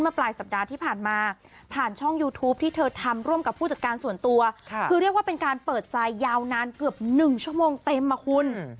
ปลายสัปดาห์ที่ผ่านมาผ่านช่องยูทูปที่เธอทำร่วมกับผู้จัดการส่วนตัวคือเรียกว่าเป็นการเปิดใจยาวนานเกือบ๑ชั่วโมงเต็มอ่ะคุณ